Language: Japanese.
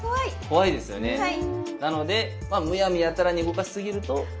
怖いですよねなのでむやみやたらに動かしすぎると危ないよっていう。